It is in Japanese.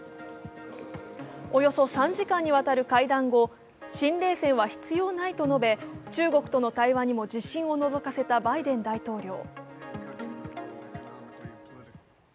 およそ３時間にわたる会談後、新冷戦は必要ないと述べ中国との対話にも自信をのぞかせたバイデン大統領。